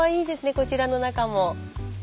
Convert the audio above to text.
こちらの中も。